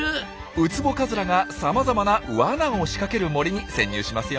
ウツボカズラがさまざまなワナを仕掛ける森に潜入しますよ。